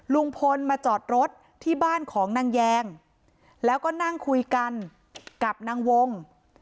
ลุงพลมาจอดรถที่บ้านของนางแยงแล้วก็นั่งคุยกันกับนางวง